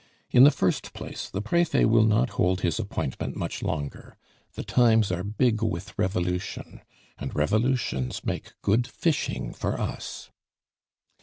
In the first place, the Prefet will not hold his appointment much longer; the times are big with revolution, and revolutions make good fishing for us."